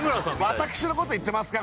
私のこと言ってますか？